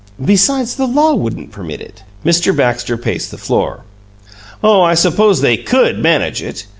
"Besides, the law wouldn't permit it." Mr. Baxter paced the floor. "Oh, I suppose they COULD manage it.